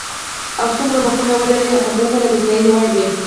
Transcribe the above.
او څومره مخونه ولري هومره د ستاینې وړ وي.